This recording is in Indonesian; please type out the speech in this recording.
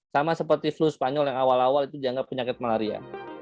sama seperti flu spanyol yang awal awal itu dianggap penyakit malaria